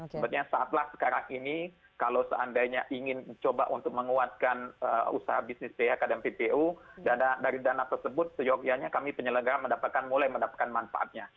sepertinya saatlah sekarang ini kalau seandainya ingin mencoba untuk menguatkan usaha bisnis phk dan ppu dari dana tersebut seyogianya kami penyelenggara mulai mendapatkan manfaatnya